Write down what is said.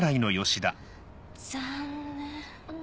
残念。